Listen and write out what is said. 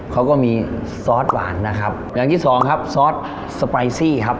เขาก็มีซอสหวานนะครับอย่างที่สองครับซอสสไปซี่ครับ